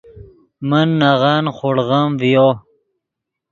من نغن خوڑغیم ڤیو